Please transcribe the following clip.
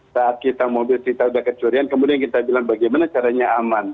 saat kita mobil kita sudah kecurian kemudian kita bilang bagaimana caranya aman